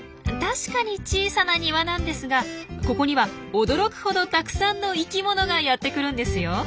確かに小さな庭なんですがここには驚くほどたくさんの生きものがやってくるんですよ。